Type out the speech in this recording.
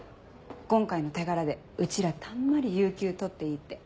今回の手柄でうちらたんまり有休取っていいって。